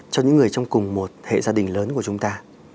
cho những người trong cùng một hệ gia đình lớn của chúng ta